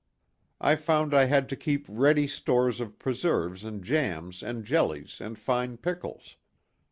I found I had to keep ready stores of preserves and jams and jellies and fine pickles.